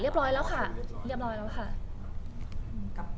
แต่คือถ้าตอนนี้ยังไม่ทะเลไปยัง